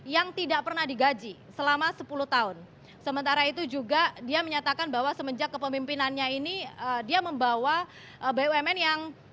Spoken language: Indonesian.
yang tidak pernah digaji selama sepuluh tahun sementara itu juga dia menyatakan bahwa semenjak kepemimpinannya ini dia membawa bumn yang